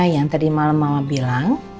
yang tadi malam mama bilang